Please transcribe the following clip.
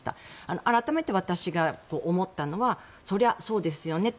改めて私が思ったのはそれはそうですよねって。